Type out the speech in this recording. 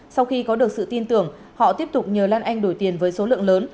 sau khi có được sự tin tưởng họ tiếp tục nhờ lan anh đổi tiền với số lượng lớn